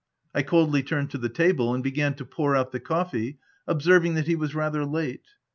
I coldly turned to the table, and began to pour out the coffee, observing that he was rather late.